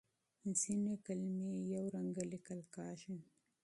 ځینې کلمې یو شان لیکل کېږي.